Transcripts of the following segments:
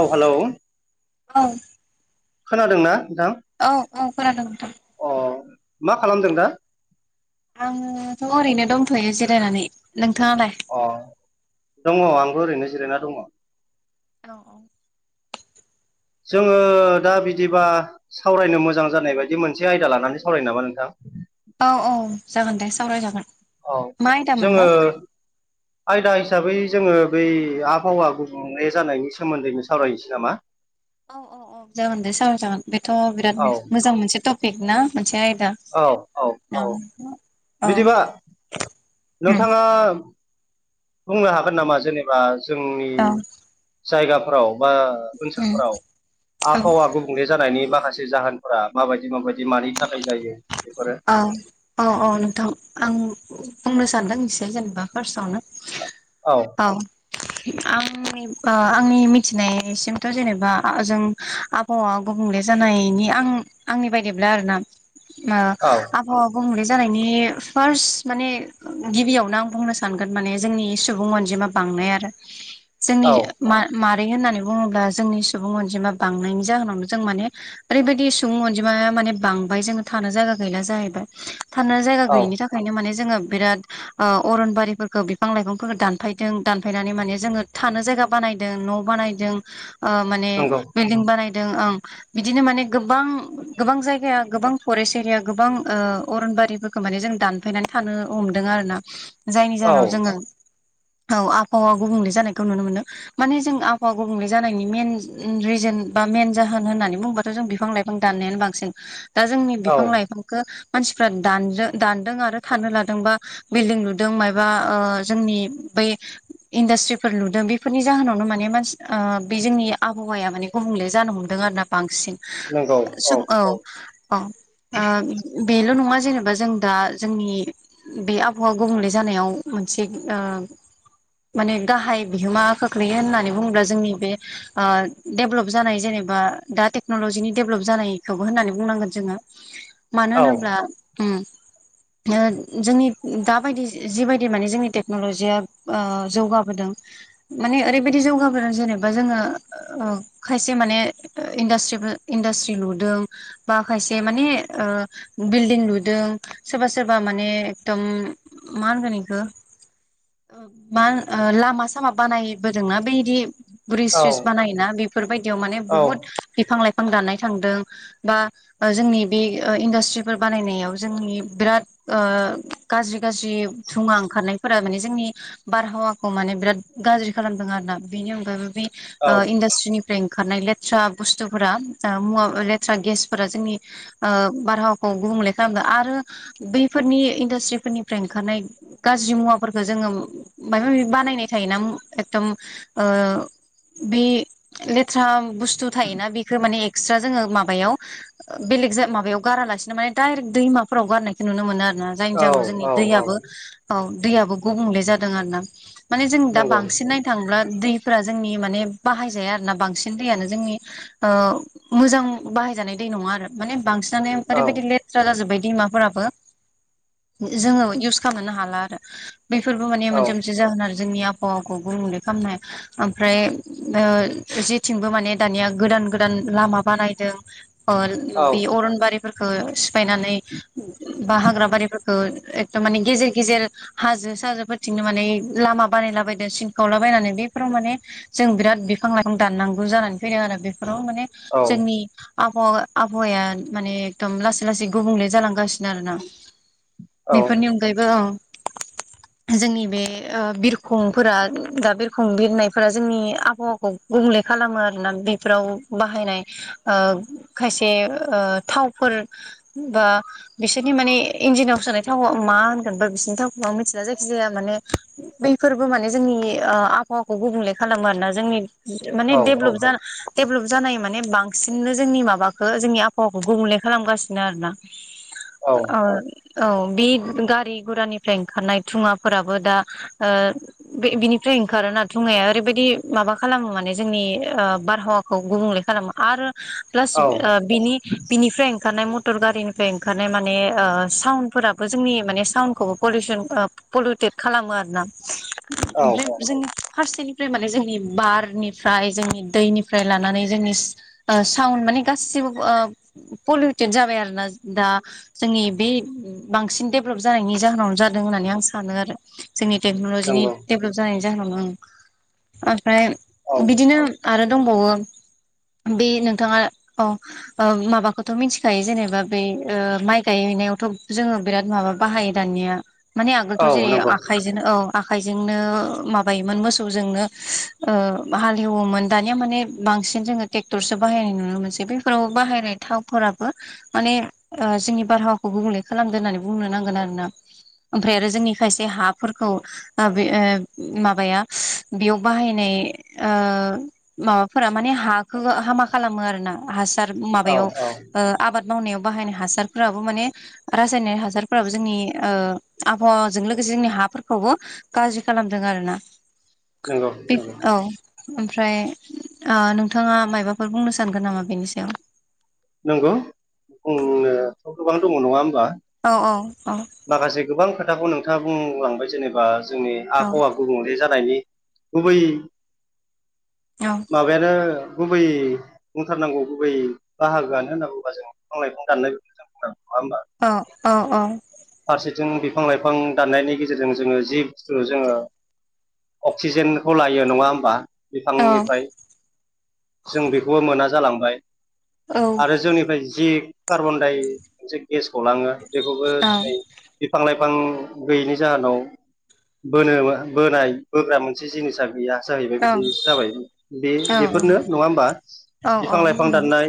औ हेलौ औ खोनादोंना नोंथां औ औ खोनादों नोंथां अ मा खालामदों दा आंथ' ओरैनो दंथ'यो जिरायनानै नोंथाङालाय अ दङ आंबो ओरैनो जिरायना दङ औ औ जोङो दा बिदिबा सावरायनो मोजां जानाय बायदि मोनसे आयदा लानानै सावरायनो नामा नोंथां औ औ जागोन दे सावरायजागोन औ मा आयदा जोङो मोनबा? आयदा हिसाबै जोङो बै आबहावा गुबुंले जानायनि सोमोन्दैनो सावरायनोसै नामा औ औ औ जागोन दे सावरायजागोन जागोन बेथ' बिराद औ मोजां मोनसे टपिक ना मोनसे आयदा औ औ औ औ बिदिबा उम नोंथाङा बुंनो हागोन नामा जेनेबा जोंनि औ जायगाफोराव बा उम ओनसोलफोराव आबहावा गुबुंले जानायनि माखासे जाहोनफोरा माबायदि माबायदि मानि थाखाय जायो बेफोरो औ औ औ नोंथां आं बुंनो सानदों एसे जेनेबा फार्स्टआवनो औ औ आंनि ओ आंनि मिथिनायसिमथ' जेनेबा ओ जों हावा गुबुंले जानायनि आं आंनि बायदिब्ला आरोना ओ आ औ हावा गुबुंले जानायनि फार्स्ट माने गिबियावनो आं बुंनो सानगोन माने जोंनि सुबुं अनजिमा बांनाय आरो जोंनि औ मा-मारै होननानै बुङोब्ला जोंनि सुबुं अनजिमा बांनायनि जाहोनावनो जों माने ओरैबायदि सुबुं अनजिमाया माने बांबाय जोङो थानो जायगा गैला जाहैबाय थानो जायगा औ गैयिनि थाखायनो माने जोङो बिराद ओ अरनबारिफोरखो बिफां लाइफांफोरखो दानफायदों दानफायनानै माने जोङो थानो जायगा बानायदों न' बानायदों ओ माने नंगौ बिल्डिं बानायदों ओं बिदिनो माने गोबां गोबां जाय जाया गोबां फरेस्ट एरिया गोबां ओ अरनबारिफोरखो माने जों दानफायनानै थानो हमदों आरोना जायनि औ जाहोनाव जोङो औ आबहावा गुबुंले जानायखौ नुनो मोनो माने जों आबहावा गुबुंले जानायनि मेन रिजोन बा मेन जाहोन होननानै बुङोबा थ' जों बिफां लाफां दाननायानो बांसिन दा जोंनि औ बिफां लाइफांखो मानसिफ्रा दानदो-दानदों आरो थानो लादोंबा बिल्डिं लुदों मायबा ओ जोंनि बै इन्डास्ट्रिफोर लुदों बेफोरनि जाहोनावनो माने मानसि ओ बे जोंनि आबहावाया माने गुबुंले जानो हमदों आरोना बांसिन सुबुं औ औ ओ बेल' नङा जेनेबा जों दा जोंनि बे आबहावा गुबुंले जानायाव मोनसे ओ माने गाहाइ बिहोमा खोख्लैयो होननानै बुङोब्ला जोंनि बे ओ डेभलप जानाय जेनेबा दा टेक्नलजिनि डेभलप जानायखौ बो होननानै बुंनांगोन जोङो मानो औ होनोब्ला उम ओ जोंनि दाबायदि जिबायायदि माने जोंनि टेक्नलजिया ओ जौगाबोदों माने ओरैबायदि जौगाबोदों जेनेबा जोङो ओ खायसे माने इन्डास्ट्रिफोर-इन्डास्ट्रि लुदों बा खायसे माने ओ बिल्डिं लुदों सोरबा सोरबा माने एखदम मा होनगोन इखो मा होनो लामा सामा बानायबोदोंना बैदि ब्रिस- औ स्रिस बानायोना बेफोरबायायदियाव माने औ बुहुत बिफां लाइफां दाननाय थांदों। बा ओ जोंनि बे ओ इन्डास्ट्रिफोर बानायनायाव जोंनि बिराद ओ गाज्रि गाज्रि धुवा ओंखारनायफोरा माने जोंनि बारहावाखौ माने बिराद गाज्रि खालामदों आरो ना बेनि अनगायैबो बे औ इडासट्रिनि फ्राय ओंखारनाय लेथ्रा बुस्थुफोरा मुवा लेथ्रा गेसफोरा जोंनि ओ बारहावाखौ गुबुंले खालामदों आरो बैफोरनि इन्डास्ट्रिफोरनिफ्राय ओंखारनाय गाज्रि मुवाफोरखौ जोङो माबा माबि बानायनाय थायोना एकदम ओ बे लेथ्रा बुस्थु थायोना बेखो माने एक्सट्रा जोङो मा माबायाव बेलेग माबायाव गारालासिनो माने डायरेक दैमाफोराव गारनायखौ नुनो मोनो आरोना। जायनि जाहोनाव जोंनि औ औ औ दैयाबो औ दैयाबो गुबुंले जादों आरो ना माने जों दा नंगौ बांसिन नायनो थाङोब्ला दै फोरा जोंनि माने बाहायजाया आरोना बांसिन दैआनो जोंनि मोजां बाहायजानाय दै नङा आरो माने बांसिनानो औ ओरैबायदि ले थ्रा जाजोब्बाय दैमाफोराबो जोङो इउस खालामनो हाला आरो। बेफोरबो माने औ मोनसे मोनसे जाहोन आरो जोंनि आबहावाखौ गुुबुंले खामनाय ओमफ्राय ओ जेथिंबो माने दानिया गोदान गोदान लामा बानाय दों ओबे अरन बारिफोरखौ सिफायनानै बा हाग्रा बारि खो एकदम माने गेजेर गेजेर हाजो साजोफोरथिंनो माने लामा बानायला बदों सिन खावलाबायनानै बेफोराव माने जों बिराद बिफां लाइफां दाननांगौ जानानै फैदों आरो बेफोराव माने औ जोंनि आब आबहावाया माने एकदम लासै लासै गुबुंले जालांगासिनो आरो ना। बेफोरनि अनगायैबो औ। [inaudible] जोंनि बे ओ बिरखंफोरा दा बिरखं बिरनायफोरा जोंनि आबहावाखौ गुबुंले खालामो आरो ना बेफोराव बाहायनाय ओ खायसे थावफोर बा बिसोरनि माने इन्जिनाव सोनाय थावआव मा होनगोन बा बिसोरनि थावखौ मिथिला जायखिजाया माने बैफोरबो माने जोंनि आबहावाखौ गुबुंले खालामो आरो ना जोंनि माने औ देभेलप देभलप जानाय माने बां सिननो जोंनि माबाखौ जोंनि आबहावाखौ गुबुंले खालामगासिनो आरोना। औ ओ औ बे गारि गुरानिफ्राय ओंखारनाय थुङाफोराबो दा ओ बे बिनिफ्राय ओंखारोना थुङाया ओरैबायदि माबा खालामो माने जोंनि बारहावाखौ गुबुंले खालामो। आरो प्लास औ बिनि बिनिफ्राय ओंखारनाय मटर गारिनिफ्राय ओंखारनाय माने साउन्डफोराबो जोंनि माने साउन्डखौबो पलिउसन पलिउटेट खालामो आरोना ओमफ्राय जों फारसे ओमफ्राय माने जोंनि बारनिफ्राय जोंनि दैनिफ्राय लानानै जोंनि साउन्ड माने गासिबो ओ पलिउटेद जाबाय आरोना दा जोंनि बे बांसिन देभलप जानायनि जाहोनावनो जादों होननानै आं सानो आरो। जोंनि टेक्न'लजिनि नंगौ डेभलप जानायनि जाहोनाव आं ओमफ्राय औ बिदिनो आरो दंबावो बे नोंथाङा औ माबाखौथ' मिथिखायो जेनेबा बै माइ गायहैनायावथ' जोङो बिराद माबा बाहायो दानिया माने औ आगोलथ' जेरै नंगौ आखाय बिदिनो औ आखायजोंनो माबायोमोन मोसौजोंनो हालेवोमोन दानिया माने बांसिन जोङो ट्रेक्टरसो बाहायनाय नुनो मोनसै बेफोराव बाहायनाय थावफोराबो माने जोंनि बारहावाखौ गुबुंले खालामदो होननानै बुंनो नांगोन आरोना। ओमफ्राय आरो जोंनि खायसे हाफोरखौ बे माबाया बेयाव बाहायनाय माबाफोरा माने हाखौ हामा खालामो आरो ना हासार औ माबायाव। औ आबाद मावनायाव बाहायनाय हासारफोराबो माने रासायनिक हासारफोराबो जोंनि आबहावाजों लोगोसे जोंनि हाफोरखौबो गाज्रि खालामदों आरो ना। नंगौ बे नंगौ औ ओमफ्राय नों नोंथाङा माबाफोर बुंनो सानगोन नामा बेनि सायाव नंगौ बुंनो गोबां दङ नङा होमबा। औ औ औ। माखासे गोबां खोथाखौ नोंथाङा बुंलांबाय जेनेबा जोंनि औ आबहावा गुबुंले जानायनि गुबै माबायानो गुबै बुंथारनांगौ गुबै बाहागोआनो होनना बुङोबा जों बिफां लाइफां दाननायफोरखौ जों बुंनांगौ नङा होमबा। अ अ अ। फारसेथिं बिफां लाइफां दाननायनि गेजेरजों जोङो जि बुस्थु जोङो अक्सिजेनखौ लायो नङा होमबा। औ बिफांनिफ्राय जों बेखौबो मोना जालांबाय। औ आरो जोंनिफ्राय जि कार्बनदाइ मोनसे गेस गलाङो बेखौबो औ दिनै बिफां लाइफां गैयैनि जाहोनाव बोनो बोनाय बोग्रा मोनसे जिनिस आरोना। गैया जाहैबाय औ बिदि जाबाय औ बेफोरनो नङा होमबा औ बिफां लाइफां उम दाननाय।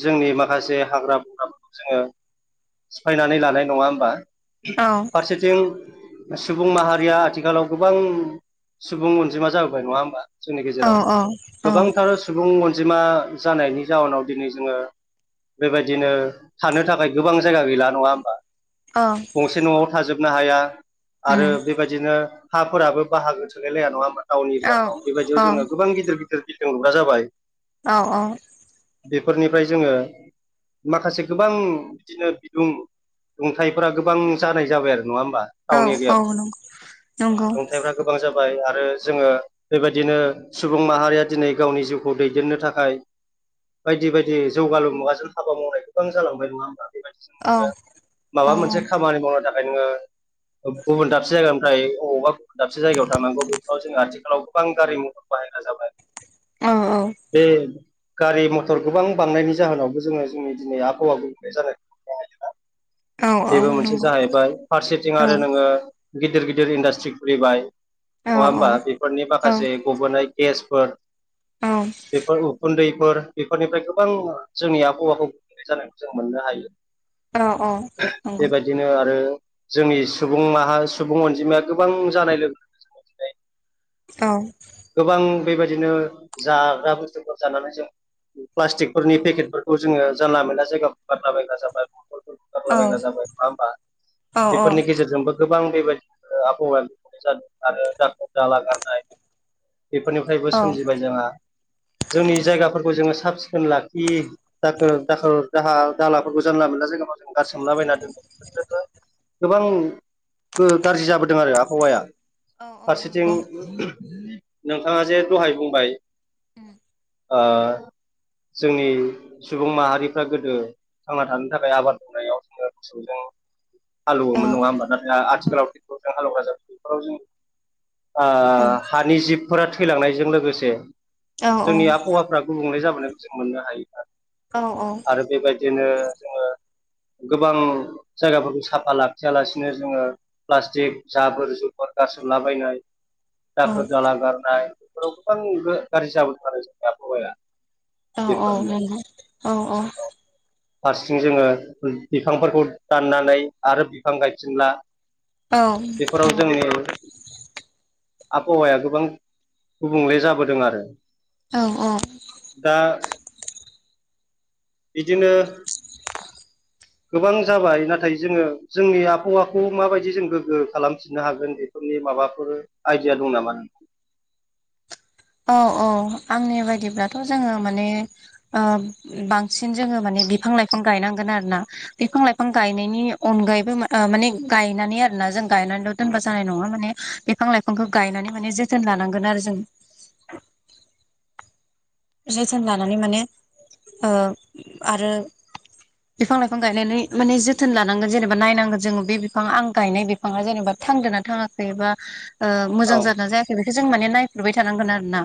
जोंनि माखासे हाग्रा बंग्राफोरखौ जोङो सिफायनानै लानाय नङा होमबा। औ फारसेथिं सुबुं माहारिया आथिखालाव गोबां सुबुं अनजिमा जाबोबाय नङा होमबा। जोंनि गेजेराव गोबांथार सुबुं अनजिमा जानायनि जाउनाव दिनै जोङो बेबायदिनो थानो थाखाय गोबां जायगा गैला नङा होमबा। औ। गंसे न'आव थाजोबनो हाया आरो बेबायदिनो हाफोराबो बाहागो थोलाय लाया नङा होनबा। टाउन एरियाफ्राव बेबायदियाव जोङो गोबां गिदिर गिदिर बिल्दिं लुग्रा जाबाय। औ औ। बेफोरनिफ्राय जोङो माखासे गोबां बिदिनो बिदुं दुंथायफोरा गोबां जानाय जाबाय आरो नङा होमबा। औ टाउन औ एरियाफ्राव नंगौ नंगौ। दुंथाइफ्रा गोबां जाबाय आरो जोङो बेबायदिनो सुबुं माहारिया दिनै गावनि जिउखौ दैदेननो थाखाय। बायदि बायदि जौगालु मुगाजों हाबा मावनाय गोबां जालांबाय नङा होमबा। बेबायदि औ। औ माबा मोनसे खामानि मावनो थाखाय नोङो गुबुन दाबसे जायगा ओमफाय अबावबा गुबुन दाबसे जायगायाव थांनांगौ बेफोराव जोङो आथिखालाव गोबां गारि मथर बाहायग्रा जाबाय। औ औ। बे गारि मटर गोबां बांनायनि जाहोनावबो जोङो जोंनि दिनै आबहावा गुबुंनाय जानाय औ औ औ बेबो मोनसे नंगौ जाहैबाय फारसेथिं औ आरो नोङो गिदिर गिदिर इन्डास्ट्रि खुलिबाय। औ नङा औ होमबा बेफोरनि माखासे नंगौ गबोनाय गेसफोर औ। बेफोर उखुन्दैफोर बेफोरनिफ्राय गोबां जोंनि आबहावाखौ गोग्लैनाय जानायखौ जों मोननो हायो। अ अ बेबायदिनो आरो जोंनि सुबुं माहा सुबुं अनजिमाया गोबां जानाय लोगो लोगो दिनै औ गोबां बेबायदिनो जाग्रा बुस्थुफोर जानानै जों प्लास्टिकफोरनि पेकेटफोर खौ जोङो जानला मोनला जायगा बायला बायला जाबाय बायोब्ला गारला बायग्रा जाबाय नङा होमबा बेफोरनि गेजेरजोंबो गोबां बेबायदिनो आबहावाया गुबुंले जादों आरो दाखोर दाला गारनाय बेफोरनिफ्रायबो सोमजिबाय जोंहा जोंनि जायगाफोरखौ जोङो साब सिखोन लाखि दाखोर दाखोर दाहा दालाफोरखौ जानला मोनला जोंगाव जों गारसोमलाबायना दोनो बेफोरबो गोबां गाज्रि जाबोदों आरो आबहावाया फारसेथिं नोंथाङा जे दहाय बुंबाय आ जोंनि सुबुं माहारिफ्रा गोदो थांना थानो थाखाय आबाद मावनायाव जो मोसौजों हालेवोमोन नङा होमबा नाथाय औ आथिखालाव ट्रेक्टरजों हालौवग्रा जाबाय बेफोराव जों औ औ हानि जिबफोरा थैलांनायजों लोगोसे औ नंगौ औ जोंनि आबहावाफ्रा गुबुंले जाबोनायखौ जों मोननो हायो औ औ आरो बेबायदिनो जोङो गोबां जायगाफोरखौ साफा लाखियालासिनो जोङो प्लास्टिक जाबोर जुबोर गारसोमलाबायनाय दाखोर दाला गारनाय बेफोराव गोबांनिबो गाज्रि जाबोदों आरो जोंनि आबहावाया औ औ बेफोरनो नोंथां औ औ फारसेथिं जोङो बिफांफोरखौ दाननानै आरो बिफां गायफिनला बेफोराव जोंनि आबहावाया गोबां गुबुंले जाबोदों आरो औ औ दा बिदिनो गोबां जाबाय नाथाय जोङो जोंनि आबहावाखौ माबायदि जों गोग्गो खालामफिननो हागोन बे फोरनि माबाफोर आइडिया दं नामा नोंथां औ औ आंनि बायदिब्लाथ' जोङो माने बांसिन जोङो माने बिफां लाइफां गायनांगोन आरोना बिफां लाइफां गायनायनि अनगायैबो माने गायनानै आरोना जों गायनानैल' दोनबा जानाय नङा माने बिफां लाइफांखौ गायनानै माने जोथोन लानांगोन आरो जों [inaudible] जोथोन लानानै माने ओ आरो बिफां लाइफां गायनानै माने जोथोन लानांगोन जेनेबा नायनांगोन जोङो बे बिफां आं गायनाय बिफां बे फाङा जेनेबा थांदों ना थाङाखैबा मोजां औ जा जादों ना जायाखै बेखौ जों माने नायफ्रेबाय थानांगोन आरो ना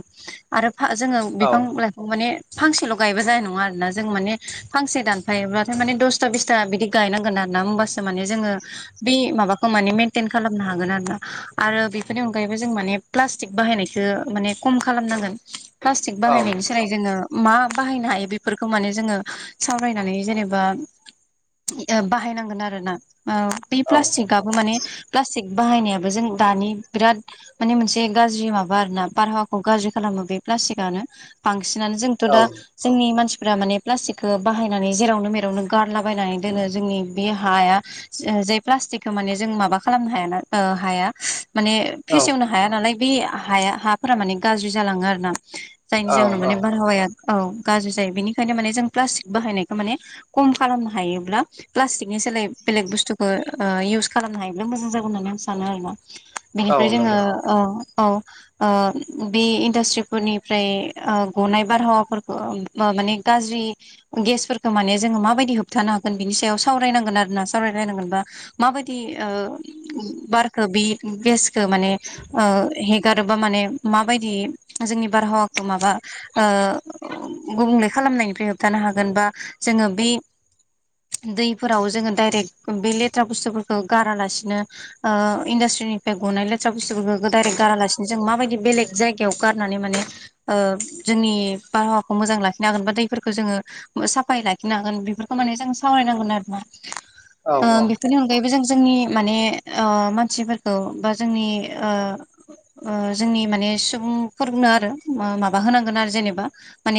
आरो जोङो औ बिफां लाइफां माने फांसेल' गायबा जानाय नङा आरो ना जों माने फांसे दानफायोब्लाथाय माने दस था बिसथा बिदि गायनांगोन आरो ना होनबासो माने जोङो बे माबाखौ माने मेनटइेन खालामनो हागोन आरो ना आरो बेफोरनि अनगायैबो जों माने प्लास्टिक बाहायनायखौ माने खम खालामनांगोन प्लास्टिक औ बाहायनायनि सोलाय जोङो मा बाहायनो हायो बेफोरखौ माने जोङो सावरायनानै जेनेबा बाहायनांगोन आरोना बे औ प्लास्टिक गाबो माने प्लास्टिक बाहायनायाबो जों दानि बिराद माने मोनसे गाज्रि माबा आरो ना बारहावाखौ गाज्रि खालामो बे प्लास्टिक नो बांसिनानो जोंथ' औ दा जोंनि मानसिफ्रा माने प्लास्टिकखौ बाहायनानै जेरावनो मेरावनो गारलाबायनानै दोनो जोंनि बे हाया जाय प्लास्टिकखौ माने जों माबा खालामनो हायाना हाया माने औ फेसेवनो हाया नालाय बे हाया हाफोरा माने गाज्रि जालाङो आरो ना जायनि औ जाहोनाव माने औ बारहावाया औ गाज्रि जायो बेनिखायनो माने जों प्लास्टिक बाहायनायखौ माने खम खालामनो हायोब्ला प्लास्टिकनि सोलाय बेलेग बुस्थुखौ इउस खालामनो हायोब्ला मोजां जागोन होननानै आं सानो आरो ना औ बेनिफ्राय जोङो नंगौ औ ओ ओ औम [unintelligible] फोरनिफ्राय ओ गनाय बारहावाफोरखौ माने गाज्रि गेसफोरखौ माने जोङो माबायदि होबथानो हागोन बिनि सायाव सावरायनांगोन आरोना सावरायलायनांगोनबा माबायदि ओ बारखौ बि गेसखौ माने ओ हेगारोब्ला माने माबायदि जोंनि बारहावाखौ माबा ओ गुबुंले खालामनायनिफ्राय होबथानो हागोन बा जोङो बे दैफोराव जोङो दडाइरेक्ट बे लेथ्रा बुस्थुफोरखौ गारालासिनो ओ इन्डासट्रिनिफ्राय गनाय लेथ्रा बुसतुफोरखौ डायरेक्ट गारालासिनो जों माबायदि बेलेग जायगायाव गारनानै माने ओ जोंनि बारहावाखौ मोजां लाखिनो हागोन बा दैफोरखौ जोङो साफायै लाखिनो हागोन बेफोरखौ माने जों सावरायनांगोन आरो ना औ ओ औ बेनि अनगायैबो जों जोंनि माने ओ मानसिफोरखौ बा जोंनि ओ ओ जोंनि माने सुबुंफोरनो आरो माबा होनांगोन आरो जेनेबा माने